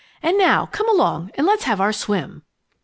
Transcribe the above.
"And now come along and let's have our swim."